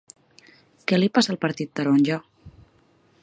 Què li passa al partit taronja?